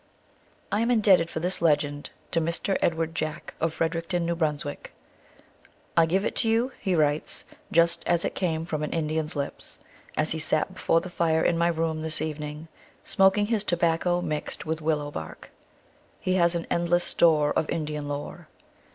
I am indebted for this legend to Mr. Edward Jack, of Fredericton, N. B. " I give it to you," he writes, " just as it came from an Indian s lips, as he sat be fore the fire in my room this evening, smoking his to bacco mixed with willow bark. He has an endless store of Indian lore."